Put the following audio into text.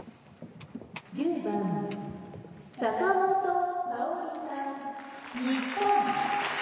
「１０番坂本花織さん日本」